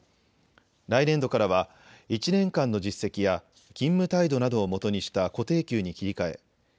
来年度からは１年間の実績や勤務態度などをもとにした固定給に切り替え